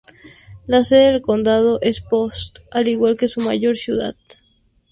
La sede del condado es Post, al igual que su mayor ciudad.